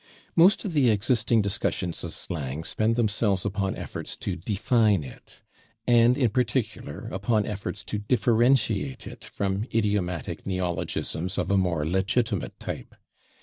Most of the existing discussions of slang spend themselves upon efforts to define it, and, in particular, upon efforts to differentiate it from idiomatic neologisms of a more legitimate type.